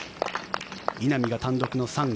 稲見が単独の３位。